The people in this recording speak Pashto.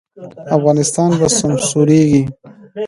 افغانستان به سمسوریږي؟